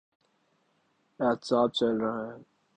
احتساب چل رہا ہے۔